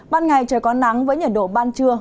ban ngày trời có nắng với nhiệt độ ban trưa